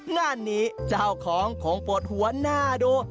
งานนี้เจ้าของคงปวดหัวหน้าดู